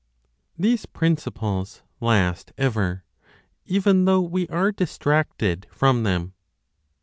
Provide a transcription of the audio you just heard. THESE PRINCIPLES LAST EVER; EVEN THOUGH WE ARE DISTRACTED FROM THEM.